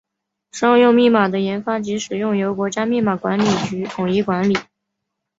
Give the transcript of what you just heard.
商用密码的研发及使用由国家密码管理局统一管理。